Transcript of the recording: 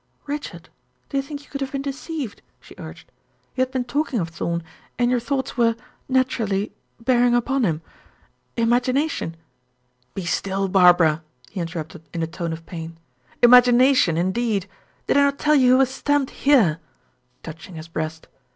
"Richard, do you think you could have been deceived?" she urged. "You had been talking of Thorn, and your thoughts were, naturally bearing upon him. Imagination " "Be still, Barbara," he interrupted in a tone of pain. "Imagination, indeed! Did I not tell you he was stamped here?" touching his breast.